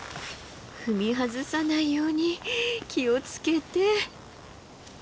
踏み外さないように気を付けて。